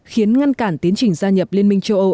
khiến ngăn cản tiến trình gia nhập liên minh châu âu